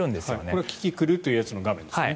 これはキキクルというものの画面ですね。